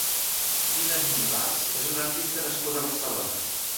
Tina Nin Ibars és una artista nascuda a Barcelona.